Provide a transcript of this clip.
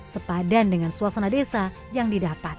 sepadan dengan suasana desa yang didapat